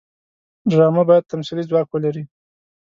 ډرامه باید تمثیلي ځواک ولري